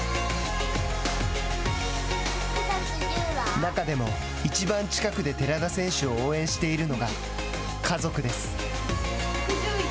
中でも、いちばん近くで寺田選手を応援しているのが家族です。